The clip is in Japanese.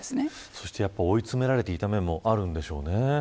そして、追い詰められていた面もあるんでしょうね。